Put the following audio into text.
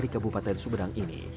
didek kombisa sejarah sunda